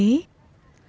hò mái nhì đặc trưng su huế